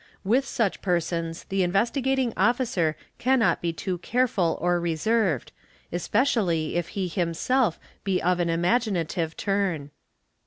With such persons the Investigating Officer cannot be toe careful or reserved, especially if he himself be of an imaginative turn.